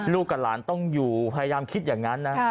กับหลานต้องอยู่พยายามคิดอย่างนั้นนะ